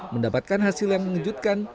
mendapatkan hasil yang mengejutkan